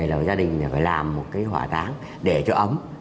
là gia đình phải làm một cái hỏa táng để cho ấm